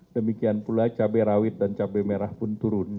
demikian pula cabai rawit dan cabai merah pun turun